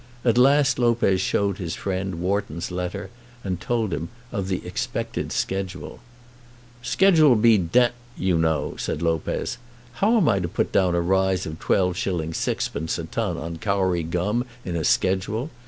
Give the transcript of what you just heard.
At last Lopez showed his friend Wharton's letter, and told him of the expected schedule. "Schedule be d d, you know," said Lopez. "How am I to put down a rise of 12s. 6d. a ton on Kauri gum in a schedule?